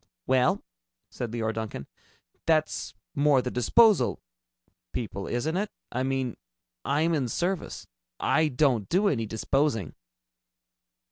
"Well," said Leora Duncan, "that's more the disposal people, isn't it? I mean, I'm in service. I don't do any disposing."